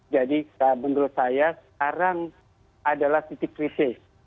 jadi menurut saya sekarang adalah titik krisis